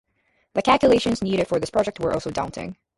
The calculations needed for this project were also daunting.